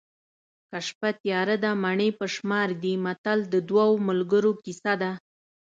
که شپه تیاره ده مڼې په شمار دي متل د دوو ملګرو کیسه ده